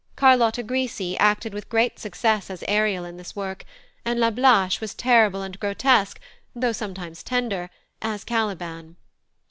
Carlotta Grisi acted with great success as Ariel in this work, and Lablache was terrible and grotesque, though sometimes tender, as Caliban.